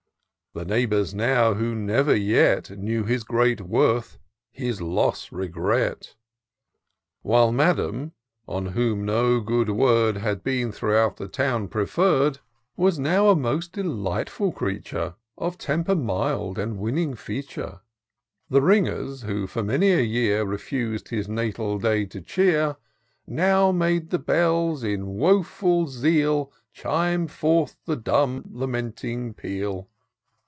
The neighbours now, who never yet Knew his great worth, his loss regret ; While Madam, on whom no good word Had been, throughout the town, preferr'd. Was now a most delightful creature. Of temper mild, — of winning feature. The ringers, who, for many a year, Refiis'd his natal day to cheer. Now made the bells, in woful zeal. Chime forth the dumb, lamenting peal.